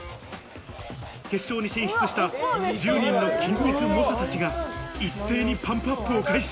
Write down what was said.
決勝に進出した１０人の筋肉猛者たちが一斉にパンプアップを開始。